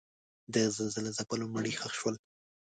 د زلزله ځپلو مړي ښخ شول.